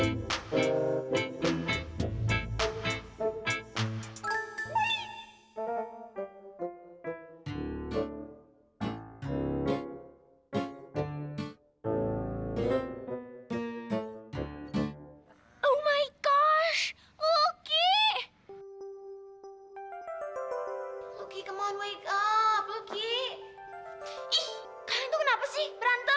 ih kalian tuh kenapa sih berantem